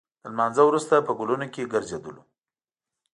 د لمانځه وروسته په ګلونو کې ګرځېدلو.